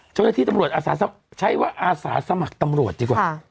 โชคดีที่ตำรวจอาสาใช้ว่าอาสาสมัครตำรวจดีกว่าค่ะ